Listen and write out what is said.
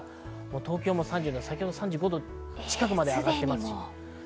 東京も３４度、先ほど３５度近くまで上がっていました。